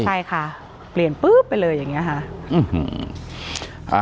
ใช่ค่ะเปลี่ยนปุ๊บไปเลยอย่างนี้ค่ะ